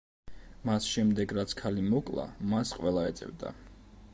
მას შემდეგ, რაც ქალი მოკლა, მას ყველა ეძებდა.